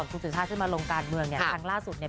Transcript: ก็ซี้กันพี่สุชาติกันกับคุณพ่อเขา